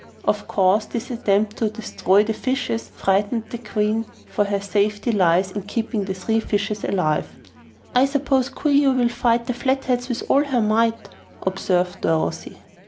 Of course this attempt to destroy the fishes frightened the Queen, for her safety lies in keeping the three fishes alive." "I s'pose Coo ee oh will fight the Flatheads with all her might," observed Dorothy.